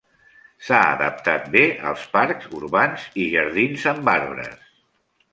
S'ha adaptat bé als parcs urbans i jardins amb arbres.